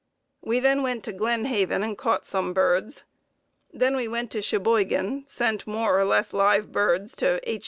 We then went to Glen Haven and caught some birds. Then we went to Cheboygan; sent more or less live birds to H.